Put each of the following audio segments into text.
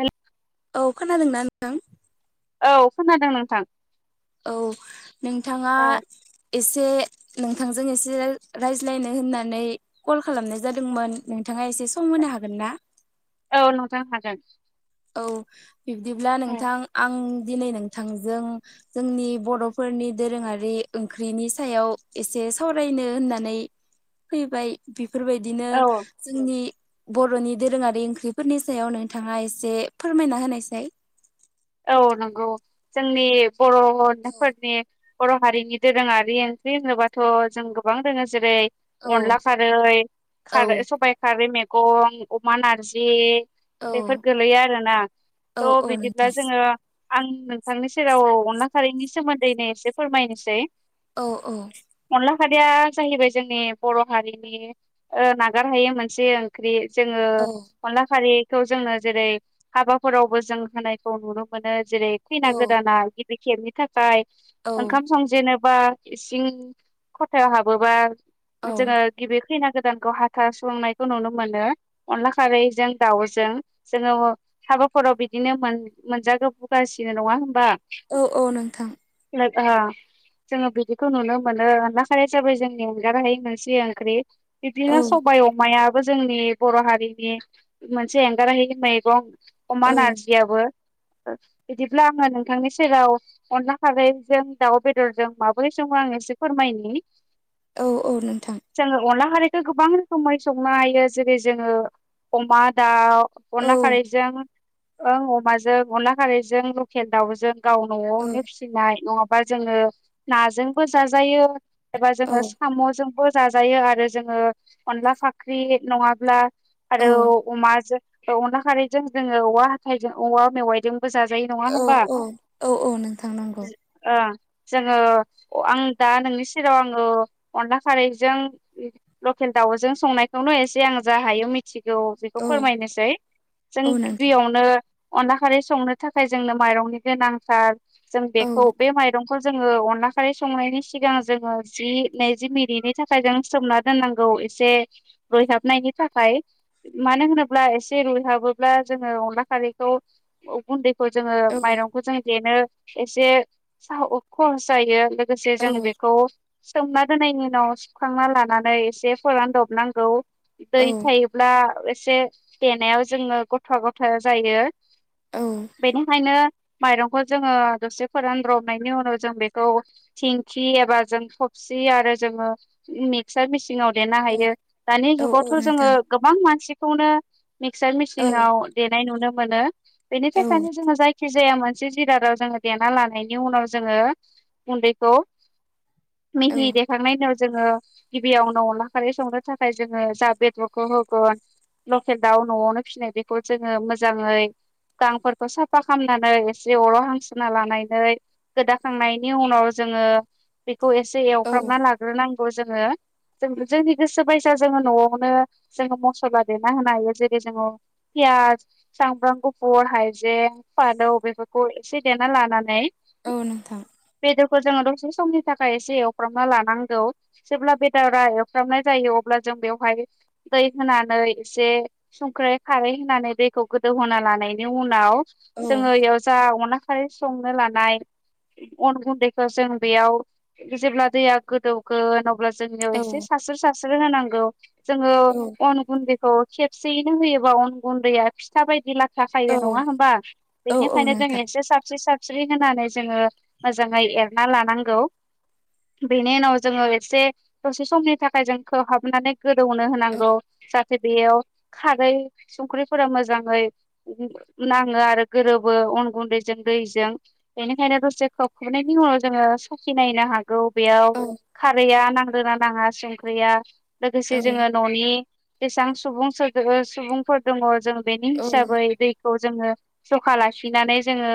हेल औ खोनादोंना नोंथां? औ खोनादों नोंथां औ नोंथाङा एस से नोंथांजों एसे रायज्लायनो होननानै कल खालामनाय जादोंमोन नोंथाङा एस से सम होनो हागोन ना? औ नोंथां हागोन औ बिब्दिब्ला नोंथां आं दिनै नोंथांजों जोंनि बर'फोरनि दोरोङारि ओंख्रिनि सायाव एसे सावरायनो होननानै फैबाय बि फोरबायदिनो औ जोंनि बर'नि दोरोङारि ओंख्रिफोरनि सायाव नोंथाङा एस से फोरमायना होनायसाय औ नंगौ जोंनि औ बर'फोरनि बर' हारिनि दोरोङारि ओंख्रि होनोबाथ' जों गोबां दोङो जेरै अनला खारै औ खारै सबायाइ खारै मैगं अमा नारजि औ बेफोर गोलैयो आरोना औ थ' औ बिदिब्ला नोंथां जोङो आं नोंथांनि सेराव अनला खारैनि सोमोन्दैनो एसे फोरमायनोसै औ औ फादया जाहैबाय जोंनि बर' हारिनि नागारहायै मोनसे ओंख्रि जोङो औ अनला खारिखौ जोङो जेरै हाबाफोरावबो जों होनायखौ नुनो मोनो जेरै औ खैना गोदाना गिबि खेबनि थाखाय औ ओंखाम संजेनो बा इसिं खथायाव हाबोबा औ जोङो गिबि खैना गोदानखौ हाथा सुंनायखौ नुनो मोनो अनला खारैजों दाउजों जोङो साबाफोराव बिदिनो मोन मोनजागोब बुगासिनो नङा होमबा औ औ नोंथां ओ जोङो बिदिखौ नुनो मोनो अला खार हिसाबै जोंनि एंगारहाय नोंसि ओंख्रि औ बिबदिनो सबायाइ अमायाबो जोंनि बर' हारिनि मोनसे एंगारहै मैगं अमा औ नारजियाबो बिदिब्ला आङो नोंथांनि सेराव अनला खारैजों दाउ बेदरजों माबोरै सम आं एसे फोरमायगोन औ औ नोंथां जोंङो अनला खारै गोबां रोखोमै संनो हायो जेरै जोंङो अमा दाउ औ अनला खारैजों ओं अमाजों अनला खारैजों लकेल दाउजों गाव औ न'आवनो फिसिनाय नङाबा जोंङो नाजोंबो जाजायो एबा औ जोंङो साम'जोंबो जाजायो आरो जोंङो अनला फाख्रि नङाब्ला औ आरो अमाजों अनला खारैजों जोंङो औवा हाइजों औवा मेवायजों बयबो जाजायो नङा औ होमबा औ औ नोंथां नांगौ जोंङो आं दा नोंनि सेराव आंङो अनला खारैजों लकेल दाउजों संनायखौनो' एसे आं जा हायो मि थिगौ बेखौ औ फोरमायनोसै जों औ नोंथां गिबियावनो अनला खारै संनो थाखाय जोंनो माइरंनि गोनांथार जों औ बेखौ बे माइरं खौ जोंङो अनला खारै संनायनि सिगां जोंङो जि नैजि मिनिटनि थाखाय जों सोमना दोननांगौ एसे रुइहाबनायनि थाखाय मानो होनोब्ला एसे रुइहाबोब्ला जोंङो अनला खारै थ गुन्दैखौ जोंङो औ माइरंखौ जों देनो एसे स खहस जायो लोगोसे औ जों बेखौ सोमना दोननायनि उनाव सुखांना लानानै एसे फोरानदबनांगौ दै औ थायोब्ला एसे देनायाव जोंङो गथ-गथा जायो। औ बेनिखायनो माइरंखौ जोंङो दसे फोरान्रबनायनि उनाव जों बेखौ दिंखि एबा जों थबसि आरो जोंङो मिक्सार मिसिन आव देरनो हायो दानि औ जुगावथ' जोंङो नोंथां गोबां मानसिखौनो मिक्सार औ मिसिनाव देनाय नुनो मोनो बेनि औ थाखायनो जोंङो जायखि जाया मोनसे जिरादाव जोंङो देना लानायनि उनाव जोंङो गुनदैखौ औ मिहि देखांनाय उनाव जोंङो गिबियावनो अनला खारै संनो थाखाय जोंङो जा बेदरखौ होगोन लकेल दाउ न'आवनो फिसिनाय बेखौ जोंङो मोजाङै गांफोरखौ साफा खालामनानै एसे अराव हांस्रोना लानानै गोदाखांनायनि उनाव जोंङो बेखौ एसे औ एवफ्रामना लाग्रोनांगौ जोंङो जों जोंनि गोसो बायसा जोंङो न'आवनो जोंङो मसला देना होनो हायो जेरै जोंङो पियास सामब्राम गुफुर हायजें फालौ बेफोरखौ एसे देना लानानै औ नोंथां खौ जोंङो दसे समनि थाखाय एसे एवफ्रामना लानांगौ जेब्ला बेदरा एवफ्रामनाय जायो अब्ला जों बेहाय दै होनानै एसे संख्रै खारै होनानै दैखौ गोदौहोना ला नायनि उनाव औ जोंङो बेयाव जा अनलाखारै संनो लानाय अन गुन्दैखौ जों बेयाव जेब्ला दैया गोदौगोन अब्ला जोंनियाव औ एसे सास्रो सास्रो होनांगौ जोंङो औ अन गुन्दै खौ खेबसेयैनो होयोबा अन गुन्दैया फिथा बायदि ला लाथा खायो नंङा होनबा औ बेनिखायनो नोंथां जोंङो इसे सारस्रि-सार स्रि होनानै जोंङो मोजाङै एरना लानांगौ बेनि उनाव जोंङो एसे दसे समनि थाखाय जों खोबहाबनानै गोदौनो होनांगौ जाहाथे बेयाव खारै संख्रिफोरा मोजाङै नाङो आरो गोरोबो अन गुन्दैजों दैजों बेनिखायनो दसे खोब खोबनायनि उनाव जोंङो सखि नायनो हा गौ बेयाव औ औ खारैया नांदोना नाङा संख्रिया लोगोसे जोंङो न'नि जेसेबां सुबुं सुबुंफोर दङ जों बेनि हिसाब बेखौ जोंङो जखा लाखिनानै जोंङो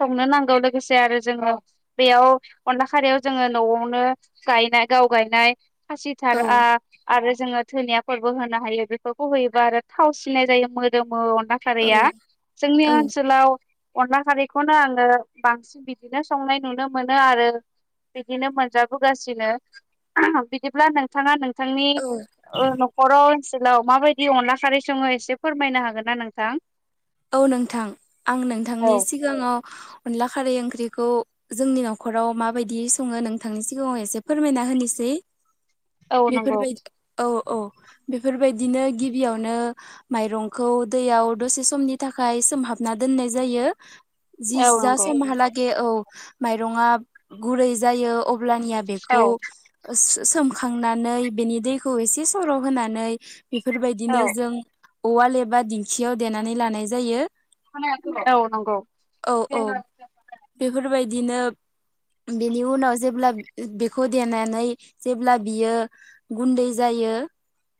संनो नांगौ लोगोसे आरो जोंङो बेयाव अनला खारियाव जोंङो न'आवनो गायनाय गाव गायनाय खासिथार आरो जोंङो धोनियाफोरबो होनो हायो बेफोरखौ होयोबा आरो थाव सिनाय जायो मोदोमो अन ला खारैया जोंनि औ ओनसोलाव अनला खारैखौनो आंङो बांसिन बिदिनो संनाय नुनो मोनो आरो। बिदिनो मोनजाबोगासिनो उमह बिदिब्ला नोंथांङा नों नोंथांनि औ ओ न'खराव ओनसोलाव माबायदि अनला खारै संङो एसेफोर फोरमायनो हागोन ना नोंथां? औ नोंथां आं औ नोंथांनि सिगांङाव अनला खारै ओंख्रिखौ जोंनि न'खराव माबायदि संङो नोंथांनि सिगांङाव एसे फोरमायना होनोसै औ नंगौ बेफोरबायदि औ औ बेफोरबायदिनो गिबियावनो माइरंखौ दैयाव दसे समनि थाखाय सोमहाबना दोननाय जायो जि औ जा नंगौ समहालागै औ माइरंङा गुरै जायो अब्लानिया औ बेखौ ओ सु सोमखांनानै बेनि दैखौ एसे सर' होनानै बेफोरबायदिनो औ जों उवाल एबा दिंखियाव देनानै लानाय जायो। औ नंगौ औ नंगौ औ औ बेफोरबायदिनो बेनि उनाव जेब्ला बेखौ देनानै जेब्ला बियो गुन्दै जायो बेयो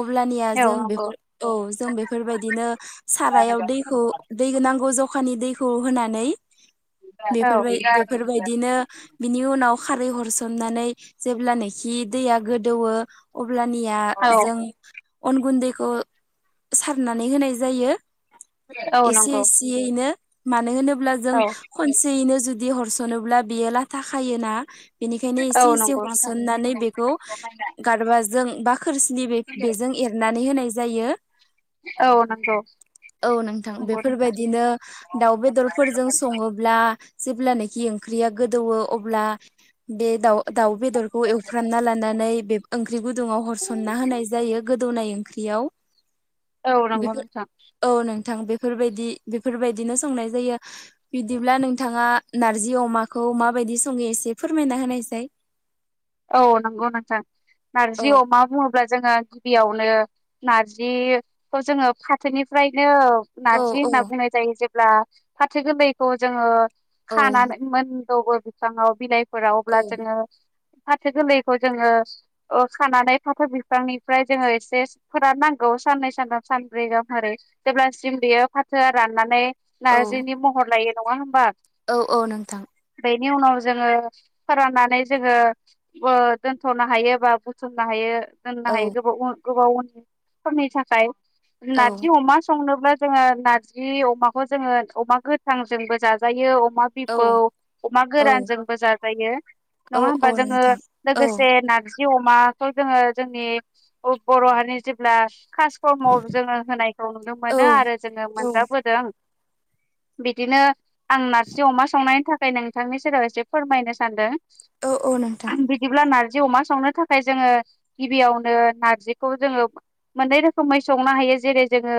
अब्लानिया औ औ जों बेफोर औ जों बे फोरबायदिनो सारायाव दैखौ दै नांगौ ज? अखानि दैखौ होनानै फोरबाय बेफोरबायदि [inaudible] नो उनाव खारै हरसोमनानै जेब्लानोखि दैया गोदौवौ अब्ला अब्लानिया जों अन गुन्दैखौ सारनानै होनाय जायो औ एसे नंगौ एसेयैनो मानो होनोब्ला जों औ खनसेयैनो जुदि बिदि हरसनोब्ला बियो लाथा खायोना बेनिखायनो औ एसे एसे नंगौ नोंथां हरसननानै बेखौ गारबाजों बा खोरसिनि बेजों एरनानै नै होनाय जायो औ नंगौ औ नोंथां नंगौ नोंथां बेफोरबायदिनो दाउ बेदरफोरजों संङोब्ला जेब्लानाखि ओंख्रिया गोदौओ अब्ला बे दाउ दाउ बेदरखौ एवफ्रामना लानानै बे ओंख्रि गुदुंङाव हरसनना होनाय जायो। गोदौनाय ओंख्रिआव औ नंगौ नोंथां औ नोंथां बे बेफोरबायदि बेफोरबायदिनो संनाय जायो बिदिब्ला नोंथांङा नारजि अमाखौ माबायदि संङो एसे फोरमायना होनायसाय। [inaudible] औ नंगौ नोंथां औ नारजि अमा बुंङो। अब्ला जोंङो गिबियावनो नारजिखौ जोंङो फाथोनिफ्रायनो औ नारजि होनना औ बुंनाय जायो जेब्ला फाथो गोरलैखौ जोंङो औ खानानै मोन खौबो बिफांङाव बिलाइफोराव औ अब्ला जोंङो फाथो गोरलैखौ जोंङो ओ खानानै फाथो बिफांनिफ्राय जोंङो एसे फोराननांगौ। गौ साननै सानथाम सानब्रै गाहारै जेब्लासिम बियो फाथोआ राननानै। औ नारजिनि महर लायो नंङा होमबा। औ औ नोंथां। बेनि उनाव जोंङो फोराननानै जोंङो। ओ दोन्थ'नो हायो बा बुथुमनो हायो दोननो औ हायो गोबाव। गोबावफोरनि थाखाय औ नारजि अमा संनो अब्ला जोंङो नारजि अमाखौ जोंङो अमा गोथांजोंबो जाजायो अ अमा बिबौ औ अमा औ गोरानजोंबो जाजायो औ नंङा औ होमबा? ओ नोंथां औ लोगोसे नारजि अमाखौ जोंङो जोंनि ब-बर' हारि जेब्ला। खासकर्मआव जोंङो होनायखौ नुनो औ मोनो आरो जोंङो औ मोनजाबोदों। [inaudible] बिदिनो आं नारजि अमा संनायनि थाखाय नोंथांनि सेराव एसे फोरमायनो सानदों। औ औ नोंथां। जि अमा संनो थाखाय जोंङो गिबियावनो नारजिखौ जोंङो मोननै रोखोमै संनो हायो। जेरै जोंङो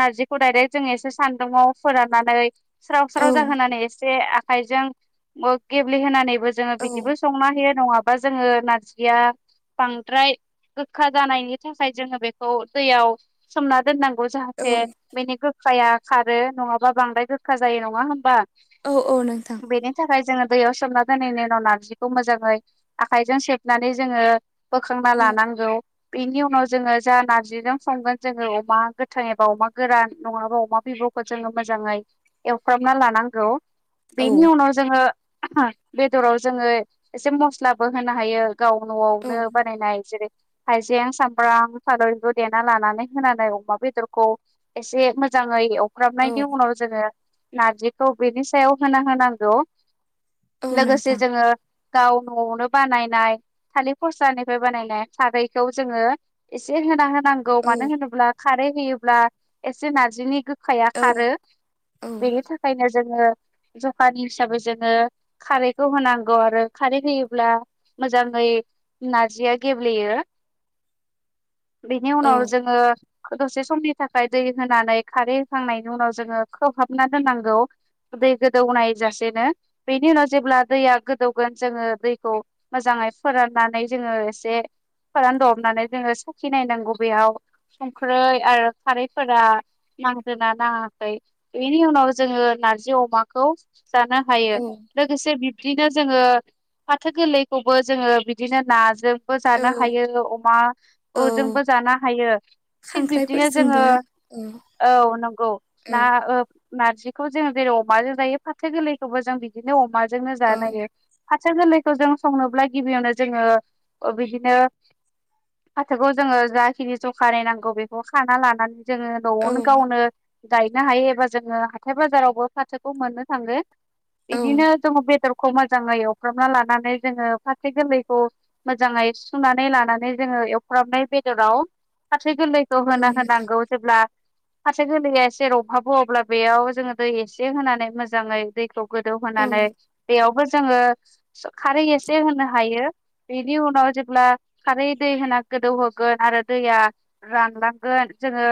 नारजिखौ डायरेक्ट जो एसे सान्दुंङआव फोराननानै। स्राव औ स्राव जाहोनानै एसे आखाइजों गेब्लेहोनानैबो जोंङो औ बिदि। संना होयो नंङाबा जोंङो नारजिया बांद्राय गोखा जानायनि थाखाय जोङो बेखौ दैयाव सोमना दोननांगौ औ जाहाथे बेनि गोखाया खारो। नङाबा बांद्राय गोखा जायो नङा होमबा? औ औ नोंथां बेनि थाखाय जोङो दैयाव सोमना दोननानि उनाव नारजि खौ मोजाङै आखाइजों सेबनानै जोङो बोखांना औ लानांगौ। बेनि उनाव जोङो जा नारजिजों संगोन जोङो अमा गोथां एबा अमा गोरान नङाबा अमा बि बुखौ जोङो मोजाङै एवफ्रामना लानांगौ। औ बेनि उनाव जोङो बेदराव जोङो एसे मस्लाबो होनो हायो गाव औ न'आवनो बानायनाय जेरै हाइजें सामब्राम [unintelligible] देना लानानै होनानै अमा बेदरखौ एसे मो जाङै औ एवफ्रामनायनि औ उनाव जोङो नारजिखौ बेनि सायाव होना होनांगौ। लोगोसे नोंथां जोंङो गाव न'आवनो बानायनाय थालिर फस्लानिफ्राय बानायनाय खारैखौ जोङो एसे होना हो नांगौ। औ मानो औ होनोब्ला खारै होयो एसे नारजनि गो खाया औ खारो औ बेनि थाखायनो जोङो जखानि हिसाबै जोङो खारैखौ होनांगौ आरो खारै होयोब्ला मोजाङै नारजिया गेब्लेयो। [inaudible] बिनि औ उनाव जोङो दसे समनि थाखाय दै होनानै खारै होखांनायनि उनाव जोङो खोबहाबना दोननांगौ। दै गोदौनाय जासेनो बेनि उनाव जेब्ला दैया गोदौ गोन जोङो दैखौ मोजाङै फोराननानै जोङो एसे फोरान दबनानै जोङो साखि नायनांगौ बेयाव संख्रै आरो खारैफोरा नांदोना नाङाखै बेनि उनाव जोङो नारजि अमाखौ जानो हायो। लोगोसे बिबदिनो जोङो फाथो गोरलैखौबो जोङो बिदिनो नाजों बो जानो हायो, औ अमा जोंबो जानो हायो। थिग बिब्दिनो जोङो खांख्राइफोरजोंबो औ औ नंगौ औ ना ओ नारजिखौ जों जेरै अमाजों जायो फाथो गोरलैखौबो जों बिदिनो अमाजोंनो औ जानो हायो। फाथो गोरलैखौ जों संनोब्ला गिबियावनो जोङो ओ बिदिनो फाथोखौ जोङो जाखिनि ज'खानि नांगौ बेखौ खाना लानानै जोङो न'आवनो गावनो गायनो हायो एबा जोङो हाथाय बाजारावबो फाथोखौ मोननो थाङो। औ बिदिनो जोङो बेदर मोजाङै एवफ्रामना लानानै जोङो फाथो गोरलैखौ मोजाङै सुुनानै लानानै जोङो एव फ्रामनाय बेदराव फाथो गोरलैखौ औ होना नोंथां होनांगौ जेब्ला फाथो गोरलैया एसे रबहाङो अब्ला बेयाव जोङो दै एसे होनानै मोजाङै दैखौ गोदौ औ होनानै बेयाव जोङो खारै एसे होनो हायो बेनि उनाव जेब्ला खारै दै होना गोदौहोगोन आरो दैया रानलांगोन जोङो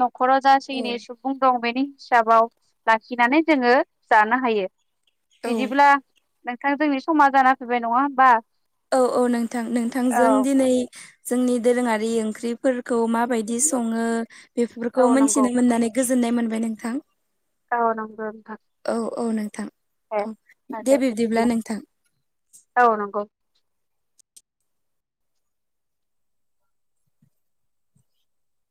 न' खराव औ जाखिनि सुबुं दं बेनि हिसाबाव लाखिनानै जोङो जानो हायो। बिदिब्ला नोंथां जोंनि समा जाना फैबाय नङा होमबा? औ औ नोंथां औ नोंथांजों दिनै जोंनि दोरोङारि ओंख्रिफोर खौ मा बायदि सङो औ बेफोरखौ नंगौ मोनथिनो मोननानै गोजोननाय मोनबाय नोंथां। औ नंगौ नोथां। औ औ नोंथां दे औ दे थादों बिब्दिब्ला बिदिब्ला। नोंथां औ नंगौ।